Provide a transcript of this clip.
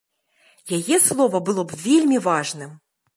Яе слова было б вельмі важным.